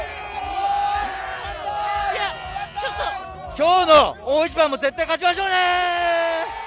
今日の大一番も絶対勝ちましょうね。